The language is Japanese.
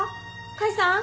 甲斐さん？